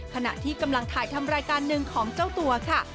ขณะที่กำลังถ่ายทำรายการหนึ่งของเจ้าตัวค่ะ